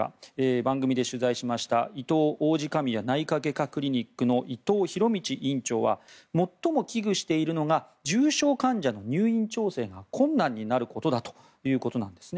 番組で取材しましたいとう王子神谷内科外科クリニックの伊藤博道院長は最も危惧しているのが重症患者の入院調整が困難になることだということです。